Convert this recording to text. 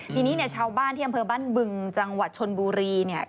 ทีนี้เนี่ยชาวบ้านที่อำเภอบ้านบึงจังหวัดชนบุรีเนี่ย